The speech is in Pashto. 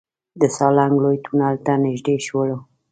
د سالنګ لوی تونل ته نزدې شولو.